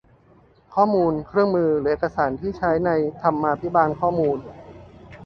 ข้อมูล เครื่องมือ หรือเอกสารที่ใช้ในธรรมาภิบาลข้อมูล